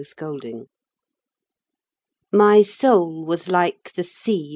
THE MOON My soul was like the sea.